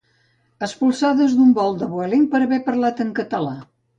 Expulsades d'un vol de Vueling per haver parlat en català